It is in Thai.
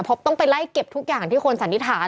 ต้องไปไล่เก็บทุกอย่างที่คนสันนิษฐาน